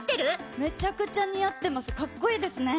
めちゃくちゃ似合ってます、かっこいいですね。